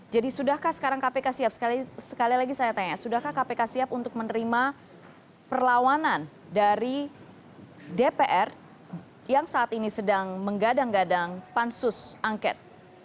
jadi sudahkah sekarang kpk siap sekali lagi saya tanya sudahkah kpk siap untuk menerima perlawanan dari dpr yang saat ini sedang menggadang gadang pansus angket